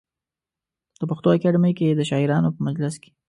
د پښتو اکاډمۍ کې د شاعرانو په مجلس کې.